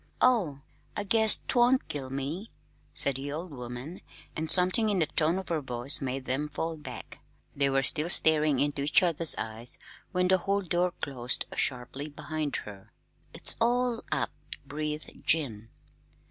"Oh, I guess 't won't kill me," said the old woman; and something in the tone of her voice made them fall back. They were still staring into each other's eyes when the hall door closed sharply behind her. "It's all up!" breathed Jim.